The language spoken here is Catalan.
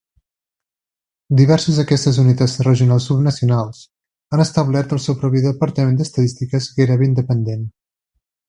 Diverses d'aquestes unitats regionals subnacionals han establert el seu propi departament d'estadístiques gairebé independent.